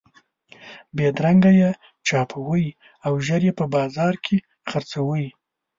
بېدرنګه یې چاپوئ او ژر یې په بازار کې خرڅوئ.